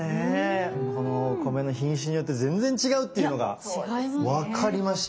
このお米の品種によって全然違うっていうのがわかりました。